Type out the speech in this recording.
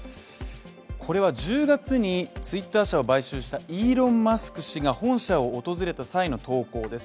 これは１０月にＴｗｉｔｔｅｒ社を買収したイーロン・マスク氏が本社を訪れた際の投稿です。